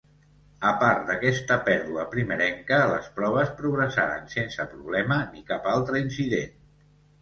A part d'aquesta pèrdua primerenca, les proves progressaren sense problema ni cap altre incident.